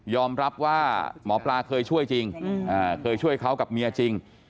รับว่าหมอปลาเคยช่วยจริงเคยช่วยเขากับเมียจริง